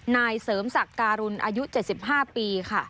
นายเสริมศักดิ์การุณอายุ๗๕ปีค่ะ